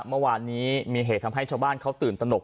เมื่อวานนี้มีเหตุทำให้ชาวบ้านเขาตื่นตนก